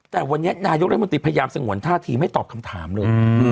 แต่วันนี้นายกรัฐมนตรีพยายามสงวนท่าทีไม่ตอบคำถามเลย